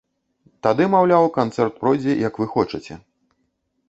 Тады, маўляў, канцэрт пройдзе, як вы хочаце.